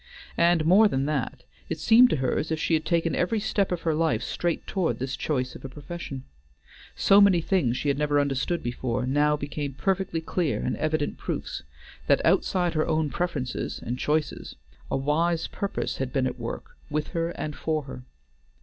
And more than that, it seemed to her as if she had taken every step of her life straight toward this choice of a profession. So many things she had never understood before, now became perfectly clear and evident proofs that, outside her own preferences and choices, a wise purpose had been at work with her and for her.